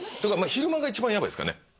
昼間が一番やばいっすかね